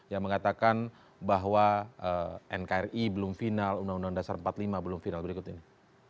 yang mengatakan bahwa nkri belum final undang undang dasar empat puluh lima belum final berikut ini